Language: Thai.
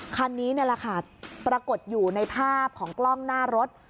คันนี้นี่แหละค่ะปรากฏอยู่ในภาพของกล้องหน้ารถ